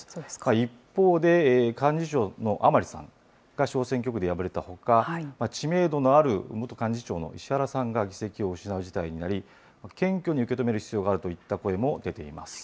一方で、幹事長の甘利さんが小選挙区で敗れたほか、知名度のある元幹事長の石原さんが議席を失う事態になり、謙虚に受け止める必要があるといった声も出ています。